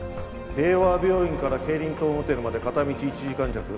帝和病院からケイリントンホテルまで片道１時間弱。